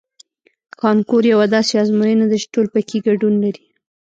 کانکور یوه داسې ازموینه ده چې ټول پکې ګډون لري